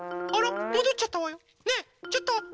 えちょっと！